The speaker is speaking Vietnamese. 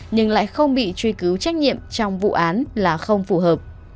nhưng lại không bị truy cứu trách nhiệm trong vụ án là không phù hợp